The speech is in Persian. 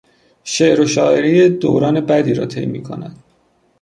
شعر و شاعری دوران بدی را طی میکند.